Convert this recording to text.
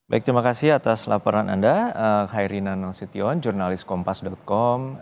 baik terima kasih atas laporan anda khairina nasution jurnalis kompas com